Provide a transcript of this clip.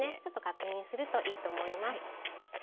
ちょっと確認するといいと思います。